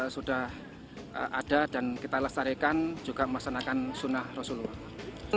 sudah ada dan kita lestarikan juga melaksanakan sunnah rasulullah